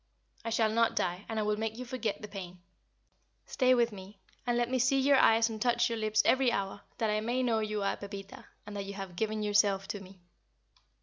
I shall not die, and I will make you forget the pain. Stay with me, and let me see your eyes and touch your lips every hour, that I may know you are Pepita, and that you have given yourself to me."